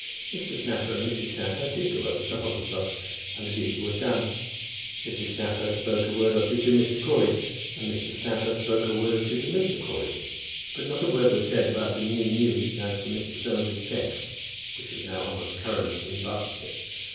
Mr. Snapper and Mrs. Snapper did go over to Hogglestock, and the duty was done. Mrs. Snapper spoke a word or two to Mrs. Crawley, and Mr. Snapper spoke a word or two to Mr. Crawley; but not a word was said about the new news as to Mr. Soames's cheque, which were now almost current in Barchester.